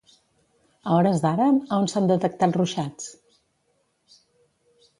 A hores d'ara, a on s'han detectat ruixats?